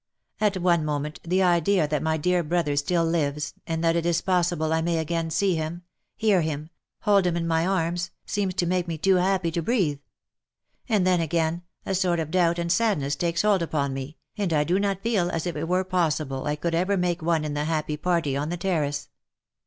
At one moment the idea that my dear brother still lives, and that it is possible I may again see him, hear him, hold him in my arms, seems to make me too happy to breathe — and then again, a sort of doubt and sadness takes hold upon me, and I do not feel as if it were possible I could ever make one in the happy party on the terrace."